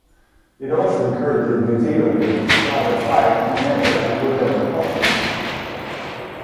It also encourages New Zealanders to fly the flag whenever and wherever possible.